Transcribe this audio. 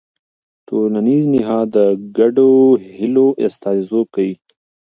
ټولنیز نهاد د ګډو هيلو استازیتوب کوي.